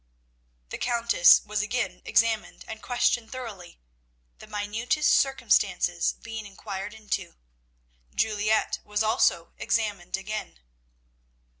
The Countess was again examined and questioned thoroughly; the minutest circumstances being inquired into. Juliette was also examined again.